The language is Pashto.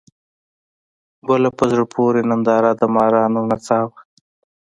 بله په زړه پورې ننداره د مارانو نڅا وه.